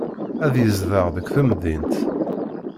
Ad yezdeɣ deg temdint.